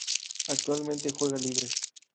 Actualmente juega libre.